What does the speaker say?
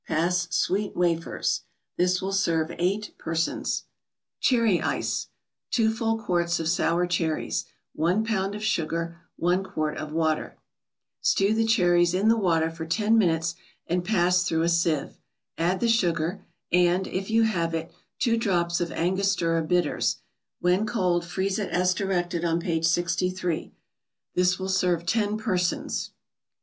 Pass sweet wafers. This will serve eight persons. CHERRY ICE 2 full quarts of sour cherries 1 pound of sugar 1 quart of water Stew the cherries in the water for ten minutes and press through a sieve, add the sugar, and, if you have it, two drops of Angostura Bitters; when cold, freeze it as directed on page 63. This will serve ten persons.